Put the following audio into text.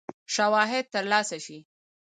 شواهد تر لاسه شي.